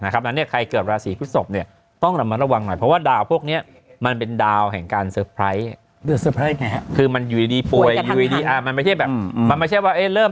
ตกลงจะไปยุโรปด้วยกันไหม